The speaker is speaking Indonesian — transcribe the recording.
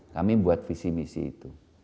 kami buat visi misi itu